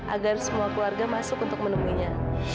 agar semua keluarga masuk untuk menemuinya